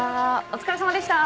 お疲れさまでした。